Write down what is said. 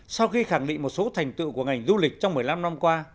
sau khi khẳng định một số thành tựu của ngành du lịch trong một mươi năm năm qua